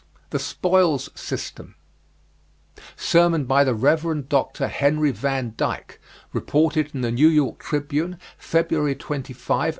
THE SPOILS SYSTEM. Sermon by the Rev. Dr. Henry van Dyke, reported in the New York Tribune, February 25, 1895.